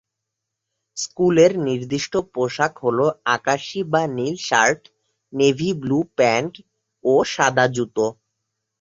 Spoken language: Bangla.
স্কুলের নির্দিষ্ট পোশাক হল আকাশী বা নীল শার্ট, নেভি ব্লু প্যান্ট ও সাদা জুতো।